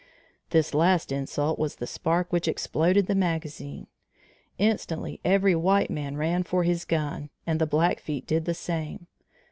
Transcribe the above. This last insult was the spark which exploded the magazine. Instantly every white man ran for his gun, and the Blackfeet did the same.